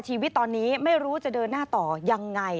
ชีวิตตอนนี้ไม่รู้จะเดินหน้าต่อยังไง